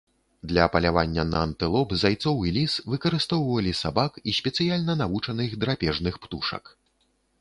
Для палявання на антылоп, зайцоў і ліс выкарыстоўвалі сабак і спецыяльна навучаных драпежных птушак.